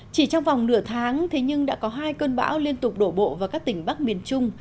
chỉ trong vòng nửa tháng thế nhưng đã có hai cơn bão liên tục đổ bộ vào các tỉnh bắc miền trung